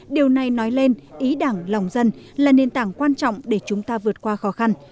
điều này nói lên ý đảng lòng dân là nền tảng quan trọng để chúng ta vượt qua khó khăn